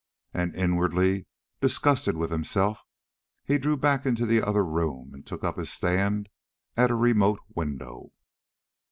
And, inwardly disgusted with himself, he drew back into the other room and took up his stand at a remote window.